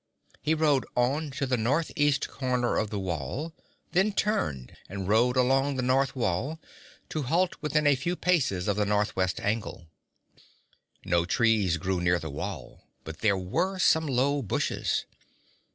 He rode on to the northeast corner of the wall, then turned and rode along the north wall, to halt within a few paces of the northwest angle. No trees grew near the wall, but there were some low bushes.